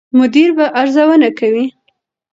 مدیر به ارزونه کوي.